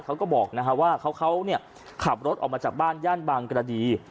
เขาก็บอกว่าเขาขับรถออกมาจากบ้านย่านบางกระดี